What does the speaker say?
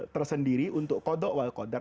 tersendiri untuk koda dan kodar